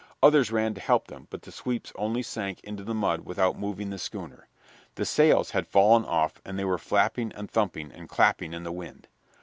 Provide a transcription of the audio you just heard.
Others ran to help them, but the sweeps only sank into the mud without moving the schooner. The sails had fallen off and they were flapping and thumping and clapping in the wind.